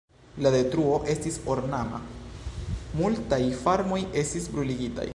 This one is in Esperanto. La detruo estis enorma; multaj farmoj estis bruligitaj.